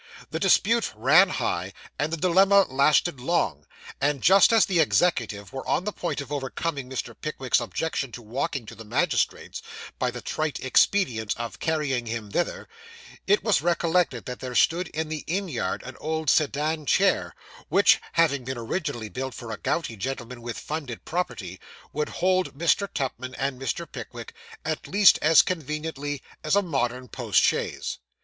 The dispute ran high, and the dilemma lasted long; and just as the executive were on the point of overcoming Mr. Pickwick's objection to walking to the magistrate's, by the trite expedient of carrying him thither, it was recollected that there stood in the inn yard, an old sedan chair, which, having been originally built for a gouty gentleman with funded property, would hold Mr. Pickwick and Mr. Tupman, at least as conveniently as a modern post chaise.